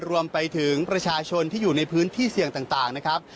รวมไปถึงประชาชนที่อยู่ในพื้นที่เสี่ยงต่างนะครับ